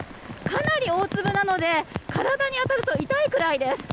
かなり大粒なので体に当たると痛いくらいです。